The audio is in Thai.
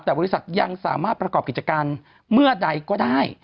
แต่บริษัทยังสามารถประกอบกิจการเมื่อใดก็ได้